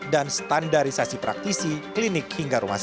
dan standarisasi praktisi klinik hingga rumah sakit